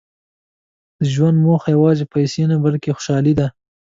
• د ژوند موخه یوازې پیسې نه، بلکې خوشالي ده.